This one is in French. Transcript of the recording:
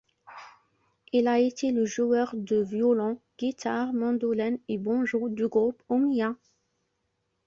Il a été le joueur de violon, guitare, mandoline et banjo du groupe Omnia.